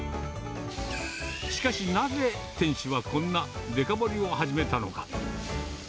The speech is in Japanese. しかし、なぜ店主はこんなデカ盛りを始めたのか。